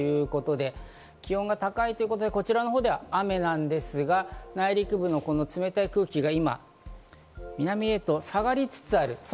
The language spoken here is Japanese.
気温が高いということで、こちらのほうでは雨なんですが、内陸部のこの冷たい空気が今、南へと下がりつつある。